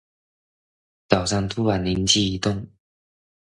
早上突然靈機一動